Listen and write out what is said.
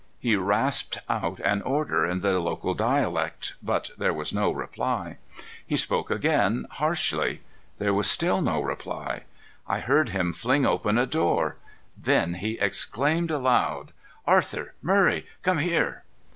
He rasped out an order in the local dialect, but there was no reply. He spoke again, harshly. There was still no reply. I heard him fling open a door. Then he exclaimed aloud. "Arthur! Murray! Come here!"